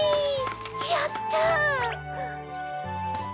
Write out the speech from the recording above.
やった！